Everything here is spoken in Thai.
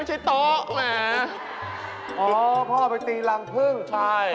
พี่หน้าเลย